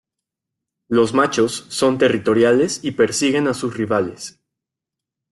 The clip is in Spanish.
Los machos son territoriales y persiguen a sus rivales.